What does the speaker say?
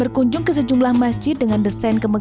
berkunjung ke sejumlah masjid dengan desain yang lebih modern